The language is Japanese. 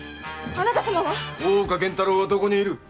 大岡源太郎はどこにいる？